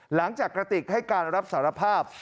กระติกให้การรับสารภาพ